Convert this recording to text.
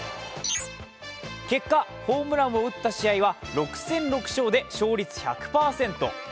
結果、ホームランを打った試合は６戦６勝利で勝率１００％。